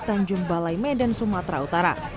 tanjung balai medan sumatera utara